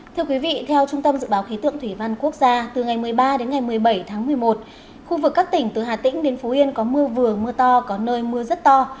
thưa quý vị theo trung tâm dự báo khí tượng thủy văn quốc gia từ ngày một mươi ba đến ngày một mươi bảy tháng một mươi một khu vực các tỉnh từ hà tĩnh đến phú yên có mưa vừa mưa to có nơi mưa rất to